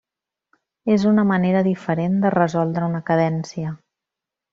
És una manera diferent de resoldre una cadència.